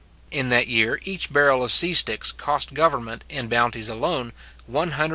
In that year, each barrel of sea sticks cost government, in bounties alone, £113:15s.